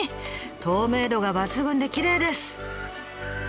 透明度が抜群できれいです。